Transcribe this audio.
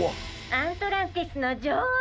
アントランティスのじょおう！